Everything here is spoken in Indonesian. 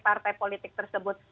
partai politik tersebut